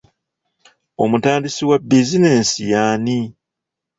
Omutandisi wa bizinensi y'ani?